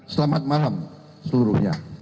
selamat malam seluruhnya